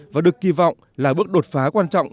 và được kỳ vọng là bước đột phá quan trọng